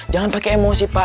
jangan pakai emosi pak